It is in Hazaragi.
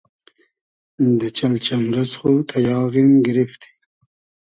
دۂ چئلجئمرئس خو تئیاغیم گیریفتی